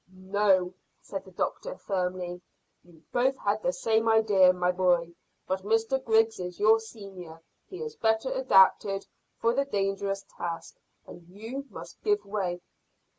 "No," said the doctor firmly; "you both had the same idea, my boy, but Mr Griggs is your senior, he is better adapted for the dangerous task, and you must give way."